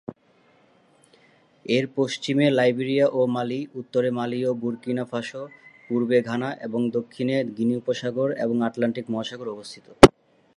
এর পশ্চিমে লাইবেরিয়া ও মালি, উত্তরে মালি ও বুর্কিনা ফাসো, পূর্বে ঘানা, এবং দক্ষিণে গিনি উপসাগর এবং আটলান্টিক মহাসাগর অবস্থিত।